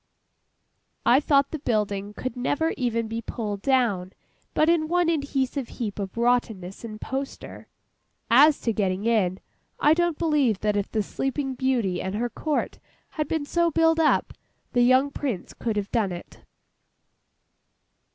I thought the building could never even be pulled down, but in one adhesive heap of rottenness and poster. As to getting in—I don't believe that if the Sleeping Beauty and her Court had been so billed up, the young Prince could have done it.